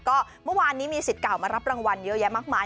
ก็เมื่อวานนี้มีสิทธิ์เก่ามารับรางวัลเยอะแยะมากมาย